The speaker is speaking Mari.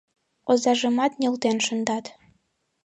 Озажымат нӧлтен шындат.